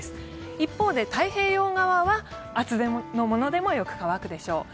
一方で太平洋側は厚手のものでもよく乾くでしょう。